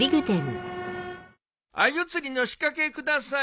アユ釣りの仕掛け下さい。